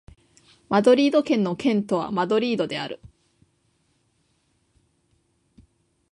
マドリード県の県都はマドリードである